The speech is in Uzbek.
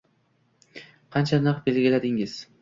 Qancha narx belgiladingiz